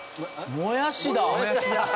もやしだ！